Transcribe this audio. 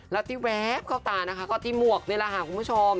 แล้วที่แว๊บเข้าตานะคะก็ที่หมวกนี่แหละค่ะคุณผู้ชม